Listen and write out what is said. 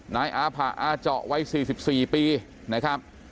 นายอาผะอาเจาะวัย๔๔ปีนะครับ